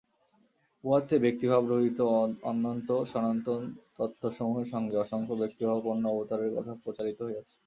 উহাতে ব্যক্তিভাবরহিত অনন্ত সনাতন তত্ত্বসমূহের সঙ্গে অসংখ্য ব্যক্তিভাবাপন্ন অবতারের কথা প্রচারিত হইয়াছে।